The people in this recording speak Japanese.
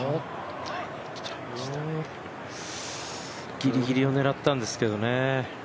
ギリギリを狙ったんですけどね